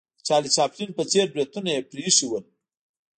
د چارلي چاپلین په څېر بریتونه یې پرې ایښې ول.